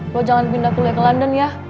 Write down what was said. gue jangan pindah kuliah ke london ya